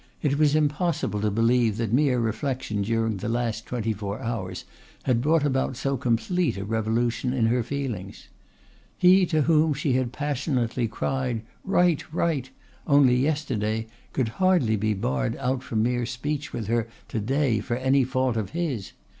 It was impossible to believe that mere reflection during the last twenty four hours had brought about so complete a revolution in her feelings. He to whom she had passionately cried "Write! Write!" only yesterday could hardly be barred out from mere speech with her to day for any fault of his.